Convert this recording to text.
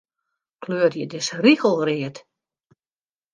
Kleurje dizze rigel read.